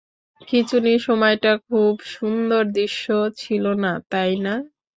খিঁচুনির সময়টা খুব সুন্দর দৃশ্য ছিল না, তাই না?